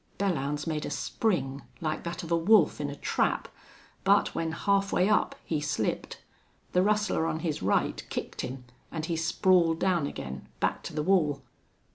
Belllounds made a spring, like that of a wolf in a trap; but when half way up he slipped. The rustler on his right kicked him, and he sprawled down again, back to the wall.